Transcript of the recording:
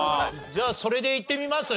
じゃあそれでいってみます？